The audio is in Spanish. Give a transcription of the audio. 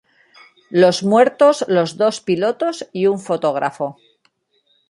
Los muertos los dos pilotos, y un fotógrafo.